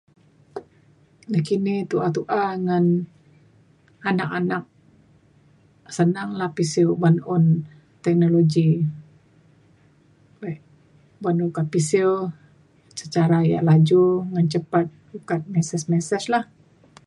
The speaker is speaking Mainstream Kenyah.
nakini tu’a tu’a ngan anak anak senang la pisiu uban un teknologi ban dulu kak pisiu secara yak laju ngan cepat ukat message message lah